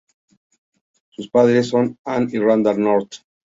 Sus padres son Anna y Randall North.